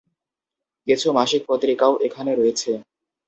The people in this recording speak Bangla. কিছু মাসিক পত্রিকাও এখানে রয়েছে।